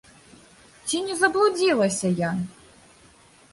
Ці не заблудзілася я?